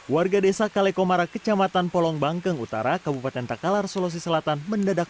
warga desa kale komara kecamatan polong bangkeng utara kabupaten takalar solosi selatan mendadak